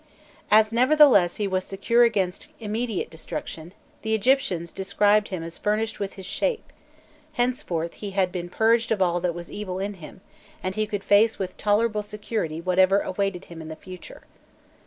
As nevertheless he was secure against immediate destruction, the Egyptians described him as furnished with his shape; henceforth he had been purged of all that was evil in him, and he could face with tolerable security whatever awaited him in the future.